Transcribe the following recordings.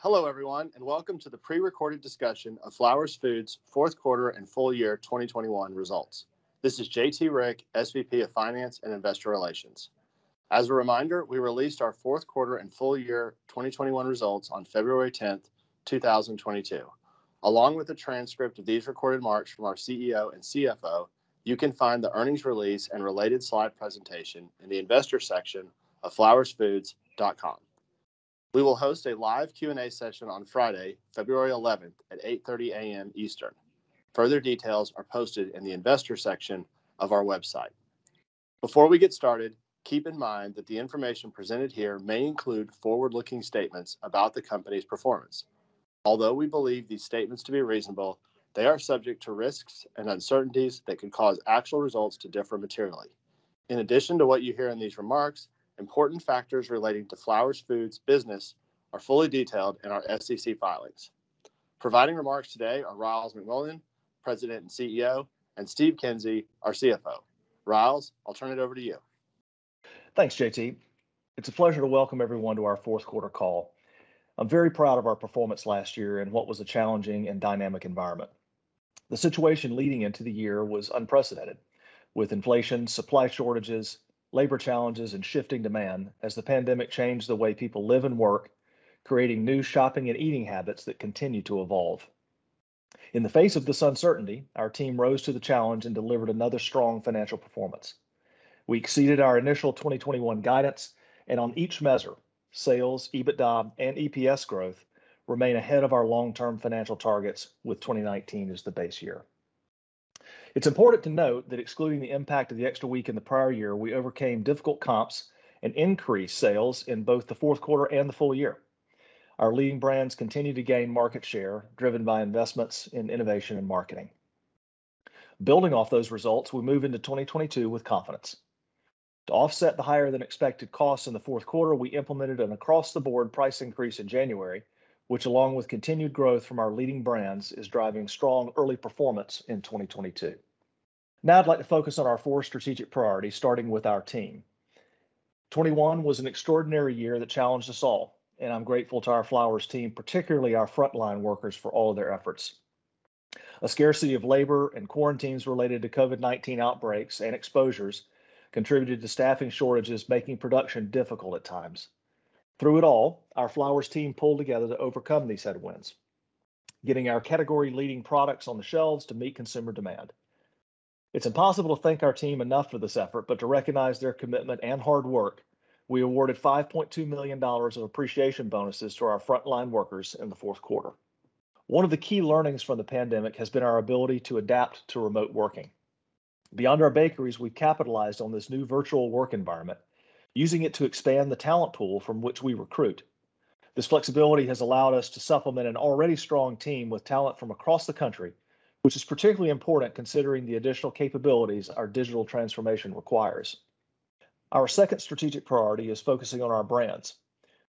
Hello everyone and welcome to the pre-recorded discussion of Flowers Foods Q4 and full year 2021 results. This is JT Rieck, SVP of Finance and Investor Relations. As a reminder, we released our Q4 and full year 2021 results on February 10th, 2022. Along with the transcript of these recorded remarks from our Chief Executive Officer and Chief Financial Officer, you can find the earnings release and related slide presentation in the investor section of flowersfoods.com. We will host a live Q&A session on Friday, February 11th at 8:30 A.M. Eastern. Further details are posted in the investor section of our website. Before we get started, keep in mind that the information presented here may include forward-looking statements about the company's performance. Although we believe these statements to be reasonable, they are subject to risks and uncertainties that can cause actual results to differ materially. In addition to what you hear in these remarks, important factors relating to Flowers Foods business are fully detailed in our SEC filings. Providing remarks today are Ryals McMullian, President and Chief Executive Officer, and Steve Kinsey, our Chief Financial Officer. Ryals, I'll turn it over to you. Thanks, JT. It's a pleasure to welcome everyone to our Q4 call. I'm very proud of our performance last year in what was a challenging and dynamic environment. The situation leading into the year was unprecedented, with inflation, supply shortages, labor challenges and shifting demand as the pandemic changed the way people live and work, creating new shopping and eating habits that continue to evolve. In the face of this uncertainty, our team rose to the challenge and delivered another strong financial performance. We exceeded our initial 2021 guidance, and on each measure, sales, EBITDA, and EPS growth remain ahead of our long-term financial targets with 2019 as the base year. It's important to note that excluding the impact of the extra week in the prior year, we overcame difficult comps and increased sales in both the Q4 and the full year. Our leading brands continue to gain market share, driven by investments in innovation and marketing. Building off those results, we move into 2022 with confidence. To offset the higher than expected costs in the Q4, we implemented an across-the-board price increase in January, which along with continued growth from our leading brands, is driving strong early performance in 2022. Now I'd like to focus on our four strategic priorities, starting with our team. 2021 was an extraordinary year that challenged us all, and I'm grateful to our Flowers team, particularly our frontline workers, for all of their efforts. A scarcity of labor and quarantines related to COVID-19 outbreaks and exposures contributed to staffing shortages, making production difficult at times. Through it all, our Flowers team pulled together to overcome these headwinds, getting our category leading products on the shelves to meet consumer demand. It's impossible to thank our team enough for this effort, but to recognize their commitment and hard work, we awarded $5.2 million of appreciation bonuses to our frontline workers in the Q4. One of the key learnings from the pandemic has been our ability to adapt to remote working. Beyond our bakeries, we've capitalized on this new virtual work environment, using it to expand the talent pool from which we recruit. This flexibility has allowed us to supplement an already strong team with talent from across the country, which is particularly important considering the additional capabilities our digital transformation requires. Our second strategic priority is focusing on our brands.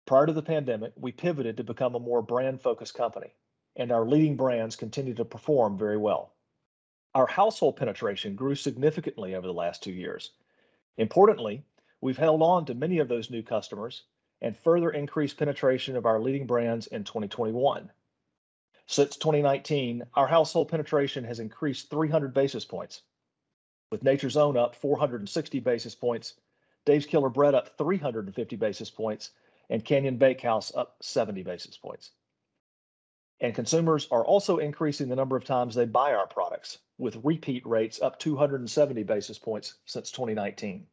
Prior to the pandemic, we pivoted to become a more brand-focused company, and our leading brands continue to perform very well. Our household penetration grew significantly over the last two years. Importantly, we've held on to many of those new customers and further increased penetration of our leading brands in 2021. Since 2019, our household penetration has increased 300 basis points, with Nature's Own up 460 basis points, Dave's Killer Bread up 350 basis points, and Canyon Bakehouse up 70 basis points. Consumers are also increasing the number of times they buy our products, with repeat rates up 270 basis points since 2019.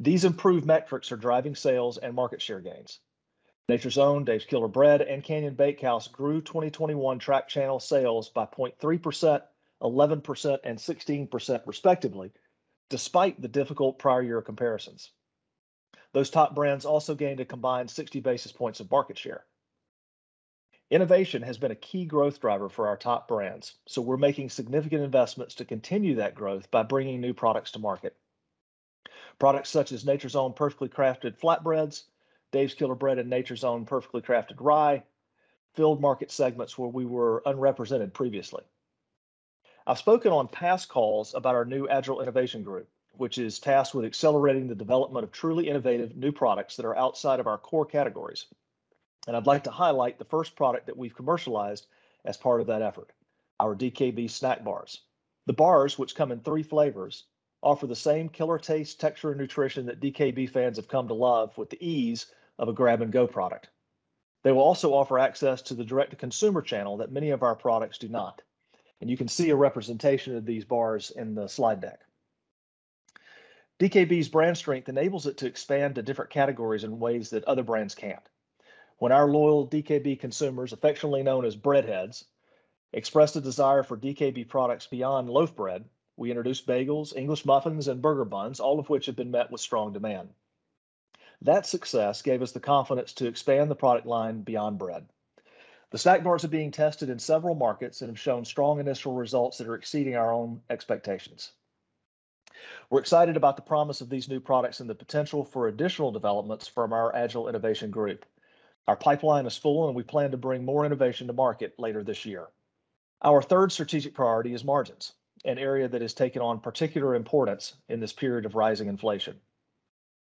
These improved metrics are driving sales and market share gains. Nature's Own, Dave's Killer Bread, and Canyon Bakehouse grew 2021 track channel sales by 0.3%, 11%, and 16% respectively, despite the difficult prior year comparisons. Those top brands also gained a combined 60 basis points of market share. Innovation has been a key growth driver for our top brands, so we're making significant investments to continue that growth by bringing new products to market. Products such as Nature's Own Perfectly Crafted Flatbreads, Dave's Killer Bread and Nature's Own Perfectly Crafted Rye filled market segments where we were unrepresented previously. I've spoken on past calls about our new Agile Innovation Group, which is tasked with accelerating the development of truly innovative new products that are outside of our core categories. I'd like to highlight the first product that we've commercialized as part of that effort, our DKB snack bars. The bars, which come in three flavors, offer the same killer taste, texture, and nutrition that DKB fans have come to love with the ease of a grab-and-go product. They will also offer access to the direct-to-consumer channel that many of our products do not. You can see a representation of these bars in the slide deck. DKB's brand strength enables it to expand to different categories in ways that other brands can't. When our loyal DKB consumers, affectionately known as BreadHeads, expressed a desire for DKB products beyond loaf bread, we introduced bagels, English muffins, and burger buns, all of which have been met with strong demand. That success gave us the confidence to expand the product line beyond bread. The snack bars are being tested in several markets and have shown strong initial results that are exceeding our own expectations. We're excited about the promise of these new products and the potential for additional developments from our Agile Innovation Group. Our pipeline is full, and we plan to bring more innovation to market later this year. Our third strategic priority is margins, an area that has taken on particular importance in this period of rising inflation.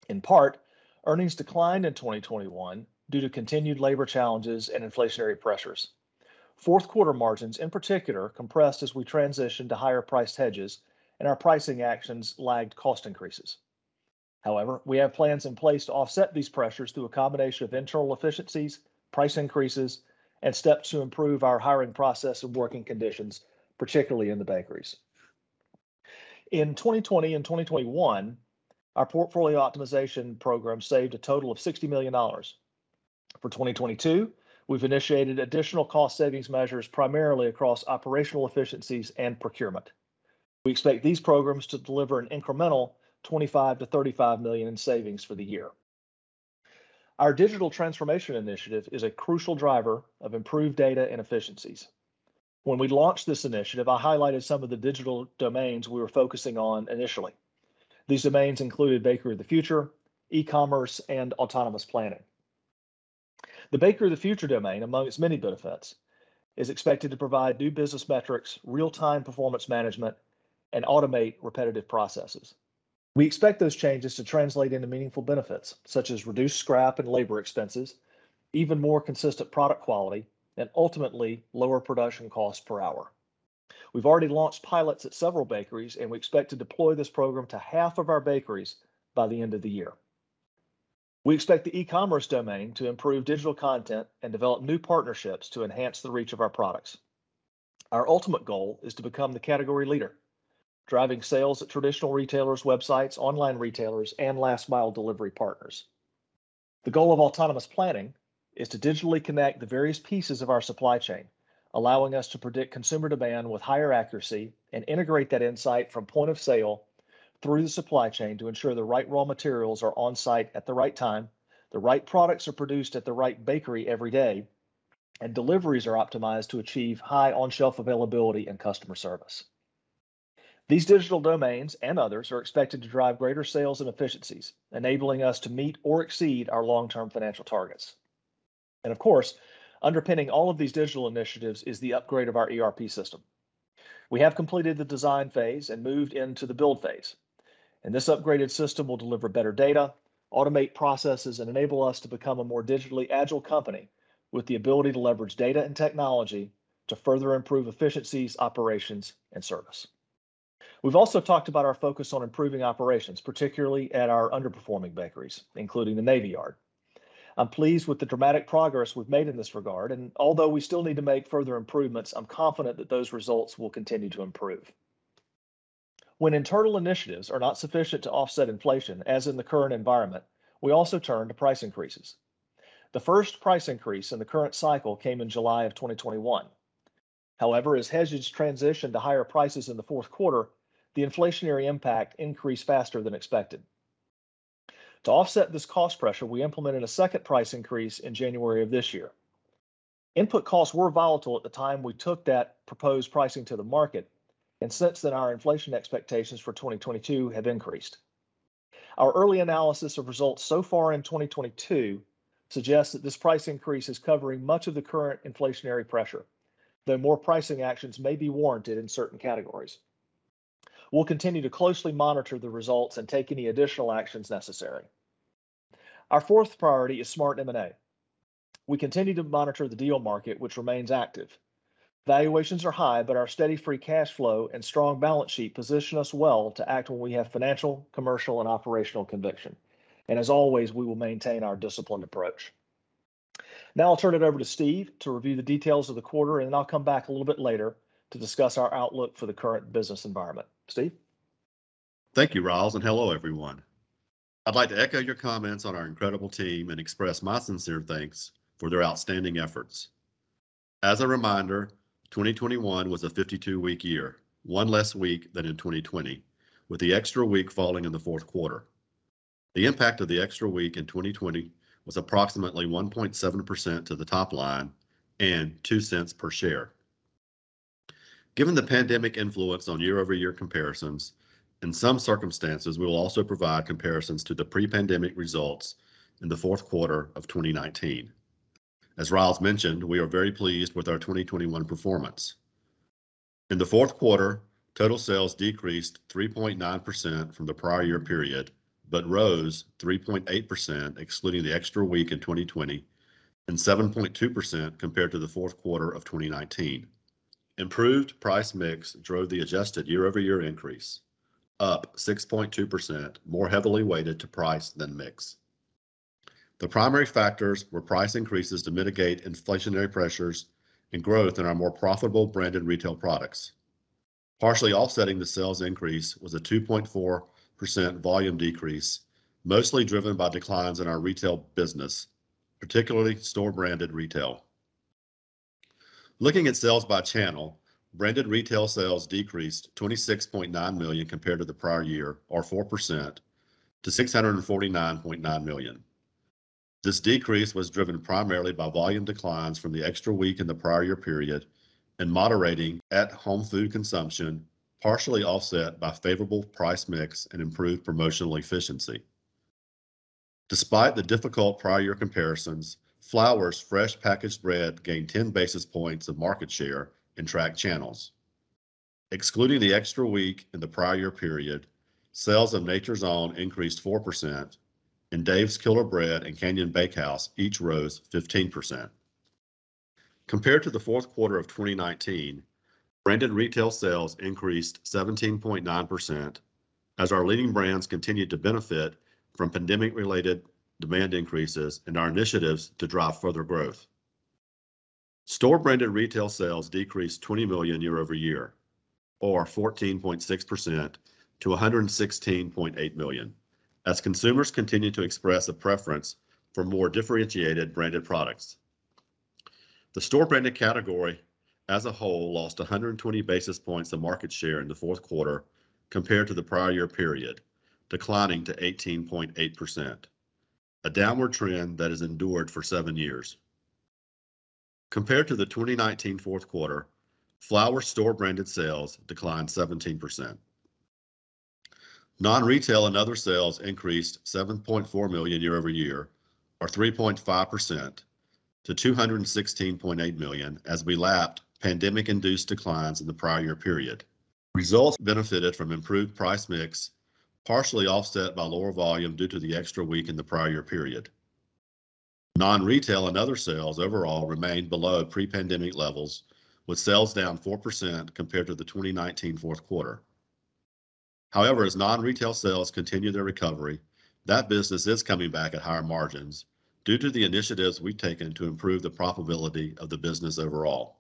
In part, earnings declined in 2021 due to continued labor challenges and inflationary pressures. Q4 margins, in particular, compressed as we transitioned to higher priced hedges and our pricing actions lagged cost increases. However, we have plans in place to offset these pressures through a combination of internal efficiencies, price increases, and steps to improve our hiring process and working conditions, particularly in the bakeries. In 2020 and 2021, our portfolio optimization program saved a total of $60 million. For 2022, we've initiated additional cost savings measures, primarily across operational efficiencies and procurement. We expect these programs to deliver an incremental $25 million-$35 million in savings for the year. Our digital transformation initiative is a crucial driver of improved data and efficiencies. When we launched this initiative, I highlighted some of the digital domains we were focusing on initially. These domains included Bakery of the Future, eCommerce, and autonomous planning. The Bakery of the Future domain, among its many benefits, is expected to provide new business metrics, real-time performance management, and automate repetitive processes. We expect those changes to translate into meaningful benefits, such as reduced scrap and labor expenses, even more consistent product quality, and ultimately, lower production costs per hour. We've already launched pilots at several bakeries, and we expect to deploy this program to half of our bakeries by the end of the year. We expect the e-commerce domain to improve digital content and develop new partnerships to enhance the reach of our products. Our ultimate goal is to become the category leader, driving sales at traditional retailers, websites, online retailers, and last mile delivery partners. The goal of autonomous planning is to digitally connect the various pieces of our supply chain, allowing us to predict consumer demand with higher accuracy and integrate that insight from point of sale through the supply chain to ensure the right raw materials are on-site at the right time, the right products are produced at the right bakery every day, and deliveries are optimized to achieve high on-shelf availability and customer service. These digital domains and others are expected to drive greater sales and efficiencies, enabling us to meet or exceed our long-term financial targets. Of course, underpinning all of these digital initiatives is the upgrade of our ERP system. We have completed the design phase and moved into the build phase, and this upgraded system will deliver better data, automate processes, and enable us to become a more digitally agile company with the ability to leverage data and technology to further improve efficiencies, operations, and service. We've also talked about our focus on improving operations, particularly at our underperforming bakeries, including the Navy Yard. I'm pleased with the dramatic progress we've made in this regard, and although we still need to make further improvements, I'm confident that those results will continue to improve. When internal initiatives are not sufficient to offset inflation, as in the current environment, we also turn to price increases. The first price increase in the current cycle came in July 2021. However, as hedges transitioned to higher prices in the Q4, the inflationary impact increased faster than expected. To offset this cost pressure, we implemented a second price increase in January of this year. Input costs were volatile at the time we took that proposed pricing to the market, and since then, our inflation expectations for 2022 have increased. Our early analysis of results so far in 2022 suggests that this price increase is covering much of the current inflationary pressure, though more pricing actions may be warranted in certain categories. We'll continue to closely monitor the results and take any additional actions necessary. Our fourth priority is smart M&A. We continue to monitor the deal market, which remains active. Valuations are high, but our steady free cash flow and strong balance sheet position us well to act when we have financial, commercial, and operational conviction. As always, we will maintain our disciplined approach. Now I'll turn it over to Steve to review the details of the quarter, and then I'll come back a little bit later to discuss our outlook for the current business environment. Steve? Thank you, Ryals, and hello, everyone. I'd like to echo your comments on our incredible team and express my sincere thanks for their outstanding efforts. As a reminder, 2021 was a 52-week year, one less week than in 2020, with the extra week falling in the Q4. The impact of the extra week in 2020 was approximately 1.7% to the top line and $0.02 per share. Given the pandemic influence on year-over-year comparisons, in some circumstances, we will also provide comparisons to the pre-pandemic results in the Q4 of 2019. As Ryals mentioned, we are very pleased with our 2021 performance. In the Q4, total sales decreased 3.9% from the prior year period, but rose 3.8% excluding the extra week in 2020 and 7.2% compared to the Q4 of 2019. Improved price mix drove the adjusted year-over-year increase, up 6.2%, more heavily weighted to price than mix. The primary factors were price increases to mitigate inflationary pressures and growth in our more profitable branded retail products. Partially offsetting the sales increase was a 2.4% volume decrease, mostly driven by declines in our retail business, particularly store-branded retail. Looking at sales by channel, branded retail sales decreased $26.9 million compared to the prior year, or 4%, to $649.9 million. This decrease was driven primarily by volume declines from the extra week in the prior year period and moderating at-home food consumption, partially offset by favorable price mix and improved promotional efficiency. Despite the difficult prior year comparisons, Flowers' fresh packaged bread gained 10 basis points of market share in tracked channels. Excluding the extra week in the prior year period, sales of Nature's Own increased 4% and Dave's Killer Bread and Canyon Bakehouse each rose 15%. Compared to the Q4 of 2019, branded retail sales increased 17.9% as our leading brands continued to benefit from pandemic-related demand increases and our initiatives to drive further growth. Store branded retail sales decreased $20 million year-over-year, or 14.6% to $116.8 million as consumers continued to express a preference for more differentiated branded products. The store branded category as a whole lost 120 basis points of market share in the Q4 compared to the prior year period, declining to 18.8%, a downward trend that has endured for seven years. Compared to the 2019 Q4, Flowers store branded sales declined 17%. Non-retail and other sales increased $7.4 million year-over-year, or 3.5% to $216.8 million as we lapped pandemic-induced declines in the prior year period. Results benefited from improved price mix, partially offset by lower volume due to the extra week in the prior year period. Non-retail and other sales overall remained below pre-pandemic levels, with sales down 4% compared to the 2019 Q4. However, as non-retail sales continue their recovery, that business is coming back at higher margins due to the initiatives we've taken to improve the profitability of the business overall.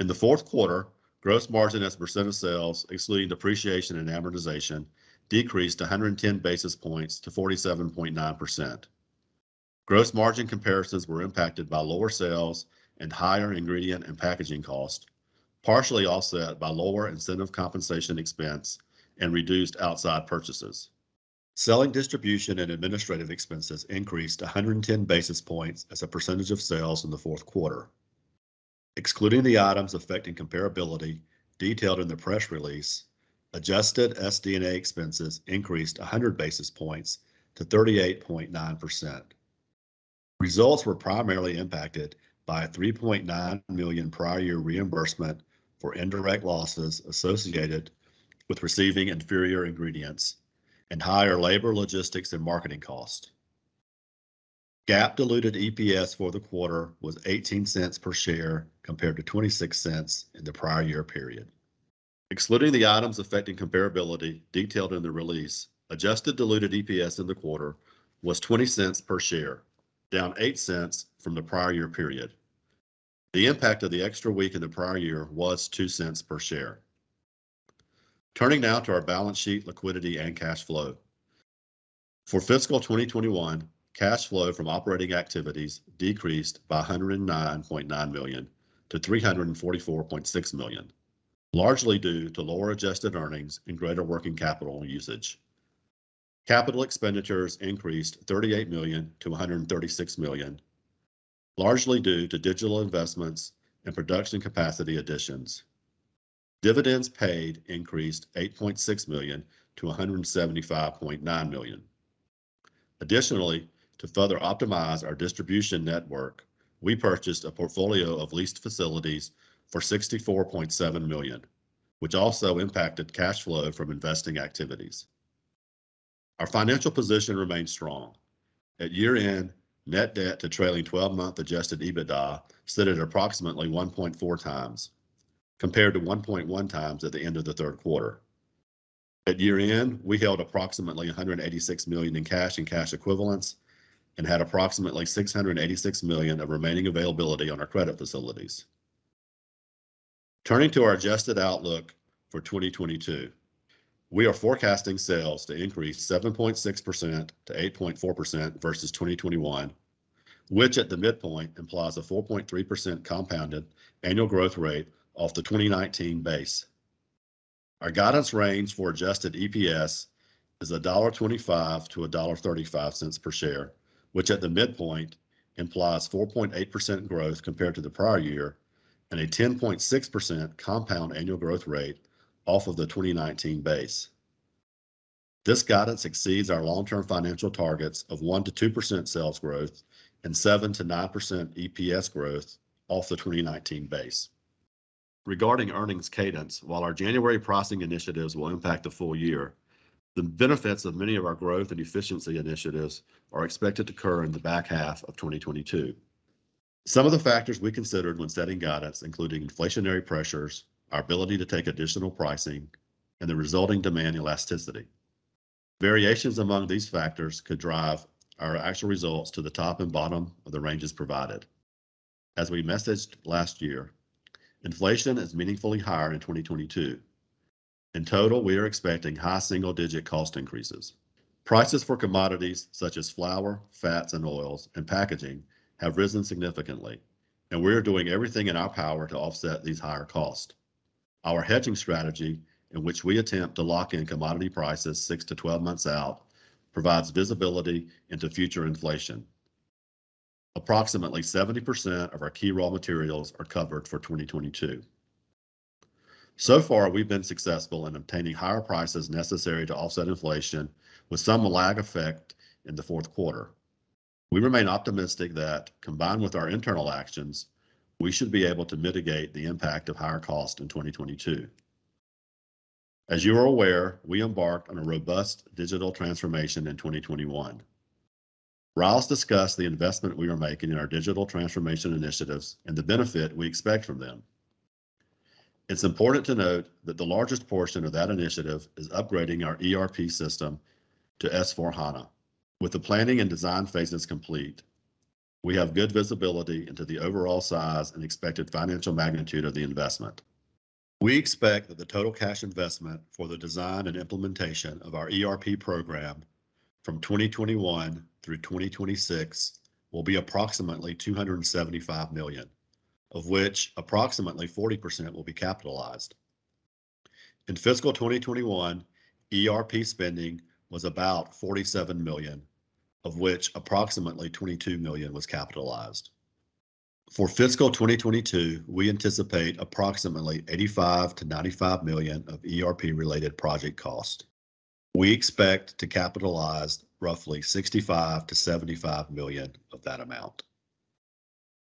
In the Q4, gross margin as a percent of sales, excluding depreciation and amortization, decreased 110 basis points to 47.9%. Gross margin comparisons were impacted by lower sales and higher ingredient and packaging cost, partially offset by lower incentive compensation expense and reduced outside purchases. Selling, distribution and administrative expenses increased 110 basis points as a percentage of sales in the Q4. Excluding the items affecting comparability detailed in the press release, adjusted SD&A expenses increased 100 basis points to 38.9%. Results were primarily impacted by a $3.9 million prior year reimbursement for indirect losses associated with receiving inferior ingredients and higher labor, logistics, and marketing costs. GAAP diluted EPS for the quarter was $0.18 per share, compared to $0.26 in the prior year period. Excluding the items affecting comparability detailed in the release, adjusted diluted EPS in the quarter was $0.20 per share, down $0.08 from the prior year period. The impact of the extra week in the prior year was $0.02 per share. Turning now to our balance sheet, liquidity and cash flow. For fiscal 2021, cash flow from operating activities decreased by $109.9 million to $344.6 million, largely due to lower adjusted earnings and greater working capital usage. Capital expenditures increased $38 million to $136 million, largely due to digital investments and production capacity additions. Dividends paid increased $8.6 million to $175.9 million. Additionally, to further optimize our distribution network, we purchased a portfolio of leased facilities for $64.7 million, which also impacted cash flow from investing activities. Our financial position remains strong. At year-end, net debt to trailing twelve-month adjusted EBITDA stood at approximately 1.4x compared to 1.1x at the end of the Q3. At year-end, we held approximately $186 million in cash and cash equivalents and had approximately $686 million of remaining availability on our credit facilities. Turning to our adjusted outlook for 2022. We are forecasting sales to increase 7.6%-8.4% versus 2021, which at the midpoint implies a 4.3% compounded annual growth rate off the 2019 base. Our guidance range for adjusted EPS is $1.25-$1.35 per share, which at the midpoint implies 4.8% growth compared to the prior year and a 10.6% compound annual growth rate off of the 2019 base. This guidance exceeds our long-term financial targets of 1%-2% sales growth and 7%-9% EPS growth off the 2019 base. Regarding earnings cadence, while our January pricing initiatives will impact the full year, the benefits of many of our growth and efficiency initiatives are expected to occur in the back half of 2022. Some of the factors we considered when setting guidance, including inflationary pressures, our ability to take additional pricing and the resulting demand elasticity. Variations among these factors could drive our actual results to the top and bottom of the ranges provided. As we messaged last year, inflation is meaningfully higher in 2022. In total, we are expecting high single-digit cost increases. Prices for commodities such as flour, fats and oils, and packaging have risen significantly, and we are doing everything in our power to offset these higher costs. Our hedging strategy, in which we attempt to lock in commodity prices 6-12 months out, provides visibility into future inflation. Approximately 70% of our key raw materials are covered for 2022. So far, we've been successful in obtaining higher prices necessary to offset inflation with some lag effect in the Q4. We remain optimistic that, combined with our internal actions, we should be able to mitigate the impact of higher costs in 2022. As you are aware, we embarked on a robust digital transformation in 2021. Ryals discussed the investment we are making in our digital transformation initiatives and the benefit we expect from them. It's important to note that the largest portion of that initiative is upgrading our ERP system to S/4HANA. With the planning and design phases complete, we have good visibility into the overall size and expected financial magnitude of the investment. We expect that the total cash investment for the design and implementation of our ERP program from 2021 through 2026 will be approximately $275 million, of which approximately 40% will be capitalized. In fiscal 2021, ERP spending was about $47 million, of which approximately $22 million was capitalized. For fiscal 2022, we anticipate approximately $85 million-$95 million of ERP-related project cost. We expect to capitalize roughly $65 million-$75 million of that amount.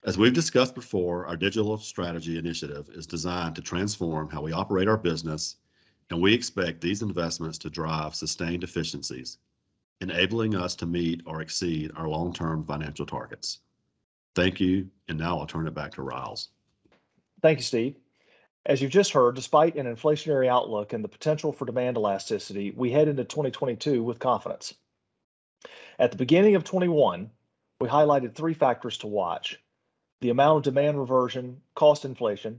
As we've discussed before, our digital strategy initiative is designed to transform how we operate our business, and we expect these investments to drive sustained efficiencies, enabling us to meet or exceed our long-term financial targets. Thank you, and now I'll turn it back to Ryals. Thank you, Steve. As you've just heard, despite an inflationary outlook and the potential for demand elasticity, we head into 2022 with confidence. At the beginning of 2021, we highlighted three factors to watch, the amount of demand reversion, cost inflation,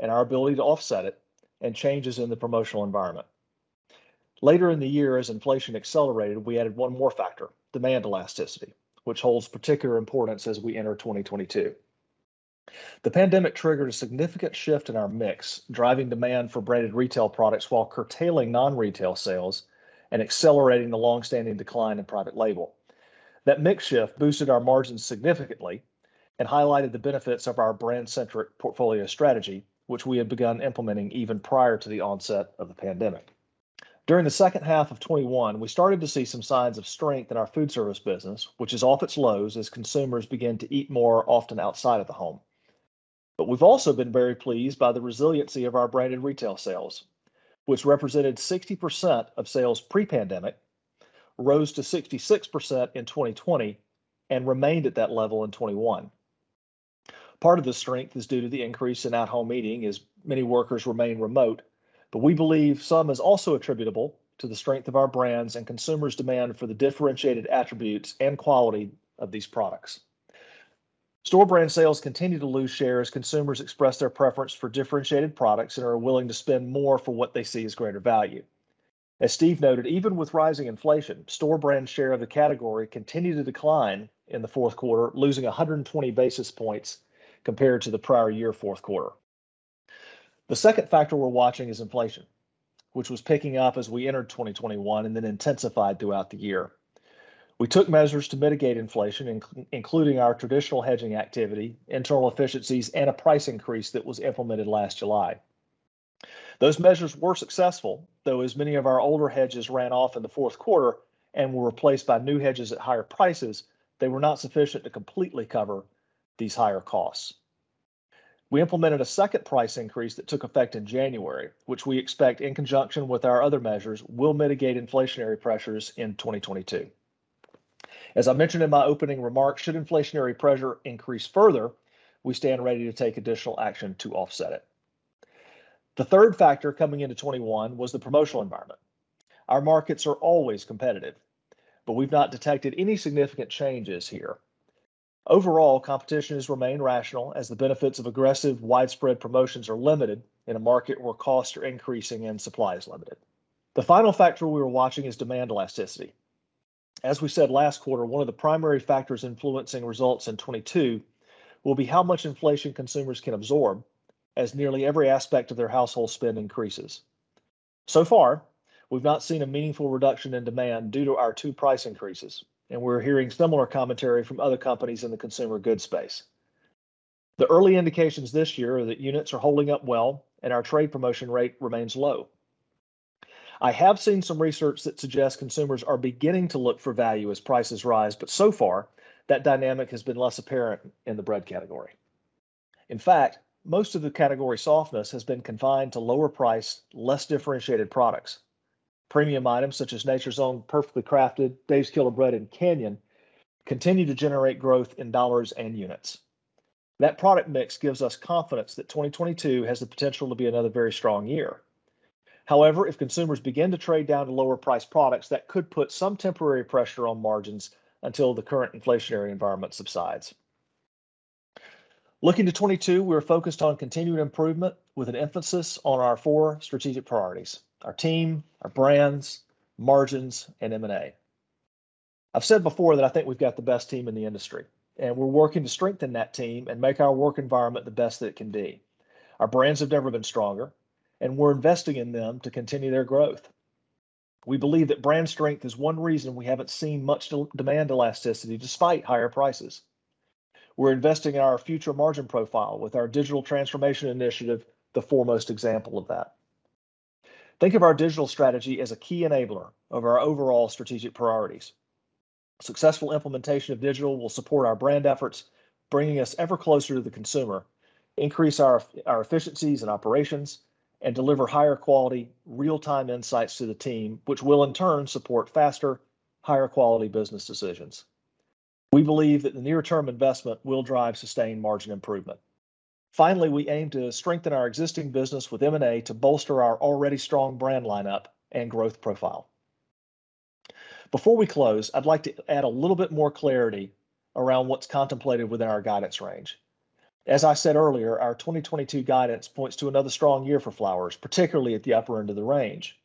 and our ability to offset it, and changes in the promotional environment. Later in the year, as inflation accelerated, we added one more factor, demand elasticity, which holds particular importance as we enter 2022. The pandemic triggered a significant shift in our mix, driving demand for branded retail products while curtailing non-retail sales and accelerating the long-standing decline in private label. That mix shift boosted our margins significantly and highlighted the benefits of our brand-centric portfolio strategy, which we had begun implementing even prior to the onset of the pandemic. During the second half of 2021, we started to see some signs of strength in our food service business, which is off its lows as consumers begin to eat more often outside of the home. We've also been very pleased by the resiliency of our branded retail sales, which represented 60% of sales pre-pandemic, rose to 66% in 2020, and remained at that level in 2021. Part of the strength is due to the increase in at-home eating as many workers remain remote, but we believe some is also attributable to the strength of our brands and consumers' demand for the differentiated attributes and quality of these products. Store brand sales continue to lose share as consumers express their preference for differentiated products and are willing to spend more for what they see as greater value. As Steve noted, even with rising inflation, store brand share of the category continued to decline in the Q4, losing 120 basis points compared to the prior year Q4. The second factor we're watching is inflation, which was picking up as we entered 2021 and then intensified throughout the year. We took measures to mitigate inflation including our traditional hedging activity, internal efficiencies, and a price increase that was implemented last July. Those measures were successful, though as many of our older hedges ran off in the Q4 and were replaced by new hedges at higher prices, they were not sufficient to completely cover these higher costs. We implemented a second price increase that took effect in January, which we expect, in conjunction with our other measures, will mitigate inflationary pressures in 2022. As I mentioned in my opening remarks, should inflationary pressure increase further, we stand ready to take additional action to offset it. The third factor coming into 2021 was the promotional environment. Our markets are always competitive, but we've not detected any significant changes here. Overall, competition has remained rational as the benefits of aggressive widespread promotions are limited in a market where costs are increasing and supply is limited. The final factor we were watching is demand elasticity. As we said last quarter, one of the primary factors influencing results in 2022 will be how much inflation consumers can absorb as nearly every aspect of their household spend increases. So far, we've not seen a meaningful reduction in demand due to our two price increases, and we're hearing similar commentary from other companies in the consumer goods space. The early indications this year are that units are holding up well and our trade promotion rate remains low. I have seen some research that suggests consumers are beginning to look for value as prices rise, but so far, that dynamic has been less apparent in the bread category. In fact, most of the category softness has been confined to lower priced, less differentiated products. Premium items such as Nature's Own Perfectly Crafted, Dave's Killer Bread, and Canyon continue to generate growth in dollars and units. That product mix gives us confidence that 2022 has the potential to be another very strong year. However, if consumers begin to trade down to lower priced products, that could put some temporary pressure on margins until the current inflationary environment subsides. Looking to 2022, we are focused on continuing improvement with an emphasis on our four strategic priorities, our team, our brands, margins, and M&A. I've said before that I think we've got the best team in the industry, and we're working to strengthen that team and make our work environment the best that it can be. Our brands have never been stronger, and we're investing in them to continue their growth. We believe that brand strength is one reason we haven't seen much demand elasticity despite higher prices. We're investing in our future margin profile with our digital transformation initiative, the foremost example of that. Think of our digital strategy as a key enabler of our overall strategic priorities. Successful implementation of digital will support our brand efforts, bringing us ever closer to the consumer, increase our efficiencies and operations, and deliver higher quality, real-time insights to the team, which will in turn support faster, higher quality business decisions. We believe that the near term investment will drive sustained margin improvement. Finally, we aim to strengthen our existing business with M&A to bolster our already strong brand lineup and growth profile. Before we close, I'd like to add a little bit more clarity around what's contemplated within our guidance range. As I said earlier, our 2022 guidance points to another strong year for Flowers, particularly at the upper end of the range.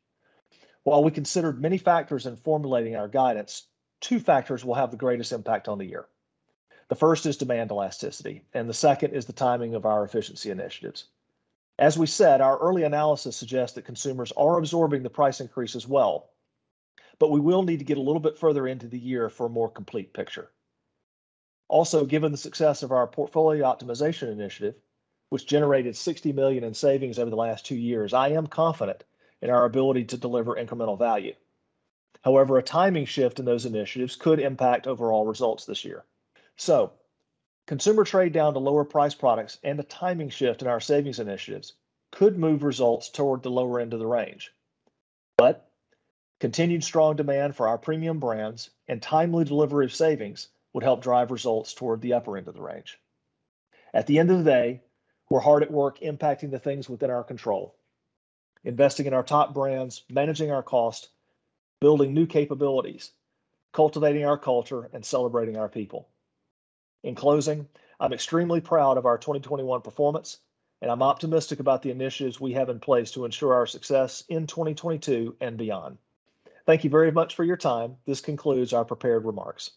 While we considered many factors in formulating our guidance, two factors will have the greatest impact on the year. The first is demand elasticity, and the second is the timing of our efficiency initiatives. As we said, our early analysis suggests that consumers are absorbing the price increases well, but we will need to get a little bit further into the year for a more complete picture. Also, given the success of our portfolio optimization initiative, which generated $60 million in savings over the last two years, I am confident in our ability to deliver incremental value. However, a timing shift in those initiatives could impact overall results this year. Consumer trade down to lower priced products and the timing shift in our savings initiatives could move results toward the lower end of the range. Continued strong demand for our premium brands and timely delivery of savings would help drive results toward the upper end of the range. At the end of the day, we're hard at work impacting the things within our control. Investing in our top brands, managing our cost, building new capabilities, cultivating our culture, and celebrating our people. In closing, I'm extremely proud of our 2021 performance, and I'm optimistic about the initiatives we have in place to ensure our success in 2022 and beyond. Thank you very much for your time. This concludes our prepared remarks.